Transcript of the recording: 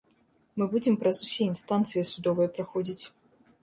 Мы будзем праз усе інстанцыі судовыя праходзіць.